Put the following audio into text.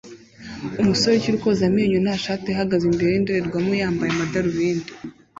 Umusore ukiri koza amenyo nta shati ihagaze imbere yindorerwamo yambaye amadarubindi